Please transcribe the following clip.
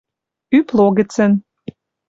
ӱп логӹцӹн